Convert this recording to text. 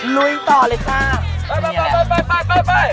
ลุยต่อเลยจ้ะอย่างนี้แหละไป